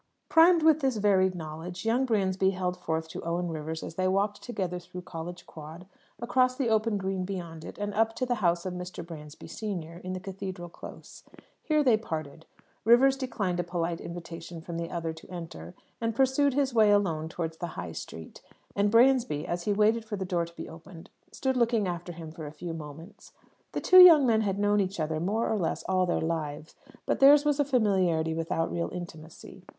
Primed with this varied knowledge, young Bransby held forth to Owen Rivers as they walked together through College Quad, across the open green beyond it, and up to the house of Mr. Bransby, senior, in the Cathedral Close. Here they parted. Rivers declined a polite invitation from the other to enter, and pursued his way alone towards the High Street; and Bransby, as he waited for the door to be opened, stood looking after him for a few moments. The two young men had known each other more or less all their lives, but theirs was a familiarity without real intimacy.